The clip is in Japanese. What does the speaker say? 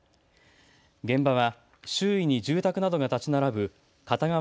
現場は周囲に住宅などが建ち並ぶ片側